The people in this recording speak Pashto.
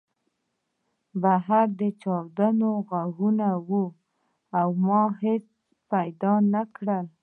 بهر د چاودنو غږونه وو او ما څوک پیدا نه کړل